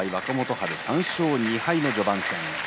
春３勝２敗の序盤戦。